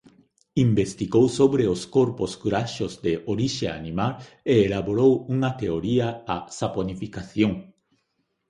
Investigou sobre os corpos graxos de orixe animal e elaborou unha teoría a saponificación.